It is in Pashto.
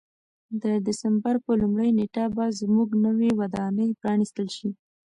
د دسمبر په لومړۍ نېټه به زموږ نوې ودانۍ پرانیستل شي.